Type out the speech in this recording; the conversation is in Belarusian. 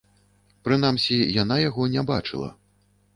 Прынамсі, яна яго не бачыла.